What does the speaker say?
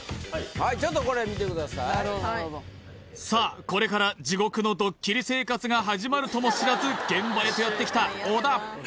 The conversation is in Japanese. はいちょっとこれ見てくださいさあこれから地獄のドッキリ生活が始まるとも知らず現場へとやってきた小田